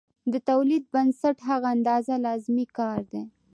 د تولید بنسټ هغه اندازه لازمي کار دی